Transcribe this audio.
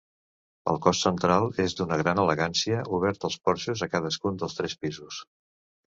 El cos central és d'una gran elegància, obert pels porxos a cadascun dels tres pisos.